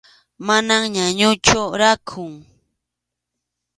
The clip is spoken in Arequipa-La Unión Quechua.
Mana ñañuchu, rakhun.